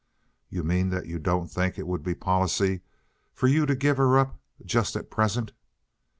"You mean that you don't think it would be policy for you to give her up just at present?"